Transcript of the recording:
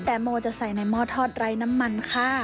แต่โมจะใส่ในหม้อทอดไร้น้ำมันค่ะ